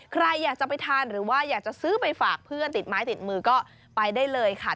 ใครอยากจะไปทานหรือว่าอยากจะซื้อไปฝากเพื่อนติดไม้ติดมือก็ไปได้เลยค่ะ